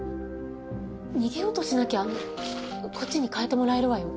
逃げようとしなきゃこっちに変えてもらえるわよ。